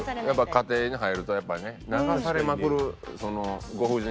家庭に入るとやっぱりね流されまくるご夫人